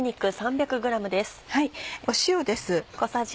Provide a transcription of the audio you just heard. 塩です。